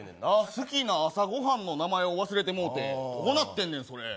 好きな朝ご飯の名前を忘れてもうて、どうなってんねん、それ。